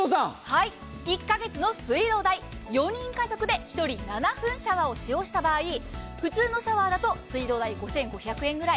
１か月の水道代、４人家族で１人７分シャワーを使用した場合、普通のシャワーだと水道代５５００円ぐらい。